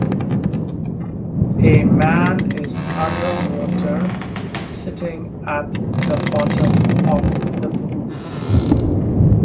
a man is underwater sitting at the bottom of the pool